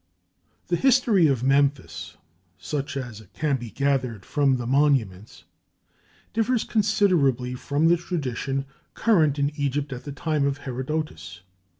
The history of Memphis, such as it can be gathered from the monuments, differs considerably from the tradition current in Egypt at the time of Herodotus.